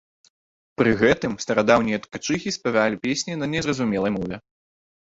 Пры гэтым старадаўнія ткачыхі спявалі песні на незразумелай мове.